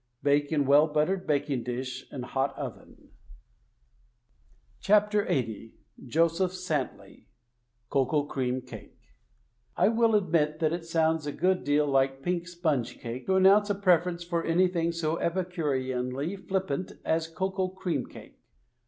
Bake in well buttered baking dish in hot oven. WRITTEN FOR MEN BY MEN LXXX Joseph Santley COCOA CREAM CAKE I will admit that it sounds a good deal like "pink sponge cake" to announce a preference for anything so epicureanly flippant as cocoa cream cake.